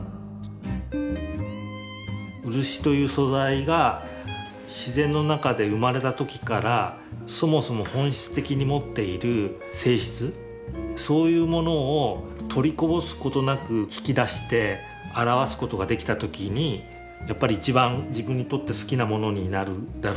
漆という素材が自然の中で生まれた時からそもそも本質的に持っている性質そういうものを取りこぼすことなく引き出して表すことができた時にやっぱり一番自分にとって好きなものになるだろうしある意味